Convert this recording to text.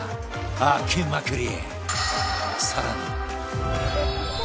開けまくり！